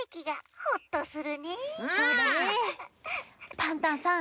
パンタンさん